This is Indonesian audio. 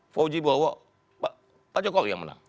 fauji bowo pak jokowi yang menang